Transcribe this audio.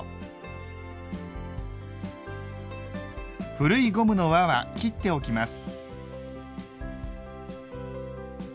古いゴムの輪は切っておきます。